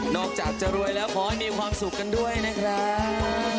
อกจากจะรวยแล้วขอให้มีความสุขกันด้วยนะครับ